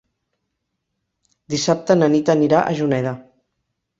Dissabte na Nit anirà a Juneda.